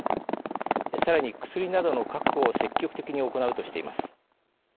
さらに、薬などの確保を積極的に行うとしています。